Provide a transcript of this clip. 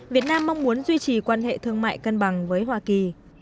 việt nam mong muốn duy trì quan hệ thương mại cân bằng với hoa kỳ